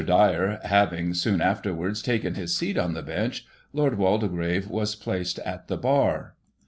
Dyer having, soon afterwards, taken his seat on the bench. Lord Waldegrave was placed at the bar.